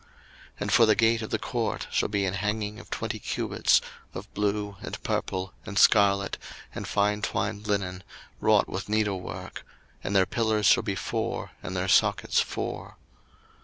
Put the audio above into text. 02:027:016 And for the gate of the court shall be an hanging of twenty cubits, of blue, and purple, and scarlet, and fine twined linen, wrought with needlework: and their pillars shall be four, and their sockets four.